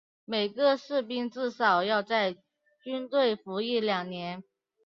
每个士兵至少要在军队服役两年。